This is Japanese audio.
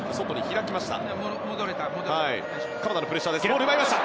ボール、奪いました。